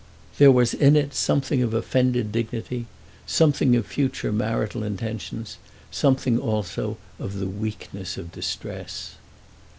There was in it something of offended dignity, something of future marital intentions, something also of the weakness of distress.